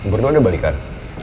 gue udah udah balikan